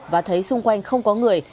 và thấy xung quanh không có người